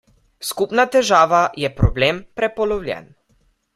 Skupna težava je problem prepolovljen.